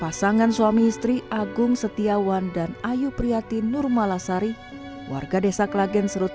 pasangan suami istri agung setiawan dan ayu priati nurmalasari warga desa klagen serut